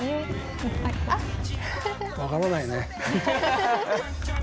分からないね。